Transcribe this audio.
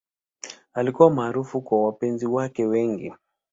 Alikuwa maarufu kwa wapenzi wake wengi.